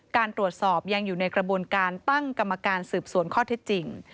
การตรวจสอบยังอยู่ในกระบวนการตั้งกรรมการสืบสวนข้อเท็จจริง